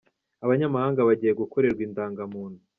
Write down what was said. Abanyamahanga bagiye gukorerwa indangamuntu